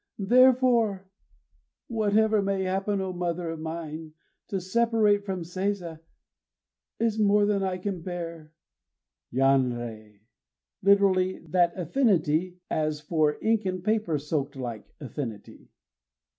Therefore, whatever may happen, O mother of mine, to separate from Seiza is more than I can bear." Yanrei! Lit.: "that affinity as for, ink and paper soaked like affinity."